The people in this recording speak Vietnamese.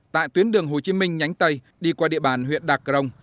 tại tuyến đường hồ chí minh nhánh tây đi qua địa bàn huyện đặc rồng